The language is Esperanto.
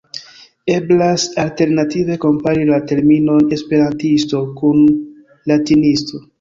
Eblas alternative kompari la terminon 'esperantisto' kun 'latinisto'.